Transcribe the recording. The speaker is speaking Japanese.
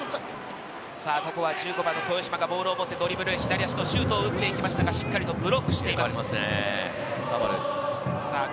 １５番・豊嶋がボールを持って、ドリブル左足でシュートを打っていきましたが、しっかりとブロックしています。